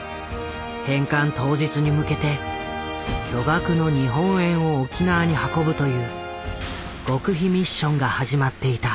返還当日に向けて巨額の日本円を沖縄に運ぶという極秘ミッションが始まっていた。